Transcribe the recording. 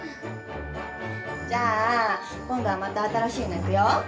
じゃあ今度はまた新しいのいくよ。